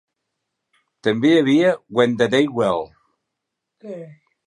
També hi havia "Went the Day Well"?